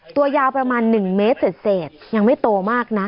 ตัวยาวประมาณ๑เมตรเศษยังไม่โตมากนะ